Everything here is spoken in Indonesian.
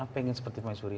pengen seperti permaisuri